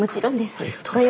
ありがとうございます。